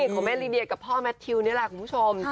ของแม่ลีเดียกับพ่อแมททิวนี่แหละคุณผู้ชม